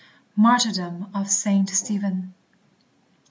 MARTYRDOM OF SAINT STEPHEN.